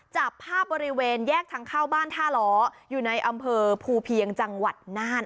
จับภาพบริเวณแยกทางเข้าบ้านท่าล้ออยู่ในอำเภอภูเพียงจังหวัดน่าน